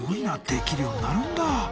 できるようになるんだ。